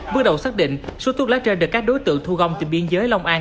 bước đầu xác định số thuốc lá trên được các đối tượng thu gom từ biên giới long an